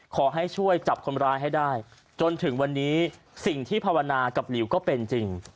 ขอให้ช่วยจับคนร้ายให้ได้จนถึงวันนี้สิ่งที่ภาวนากับหลิวก็เป็นจริง